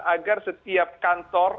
agar setiap kantor